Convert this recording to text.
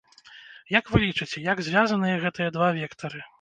Як вы лічыце, як звязаныя гэтыя два вектары?